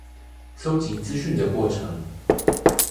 搜集資訊的過程